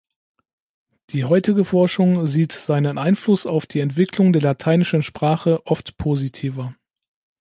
Die heutige Forschung sieht seinen Einfluss auf die Entwicklung der lateinischen Sprache oft positiver.